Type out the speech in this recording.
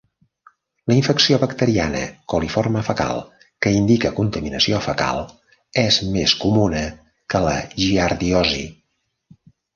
La infecció bacteriana coliforme fecal, que indica contaminació fecal, és més comuna que la giardiosi.